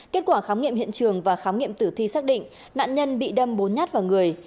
kết quả khám nghiệm hiện trường và khám nghiệm tử thi xác định nạn nhân bị đâm bốn nhát vào người